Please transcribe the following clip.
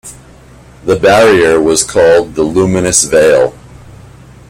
The barrier was called the "Luminous Veil".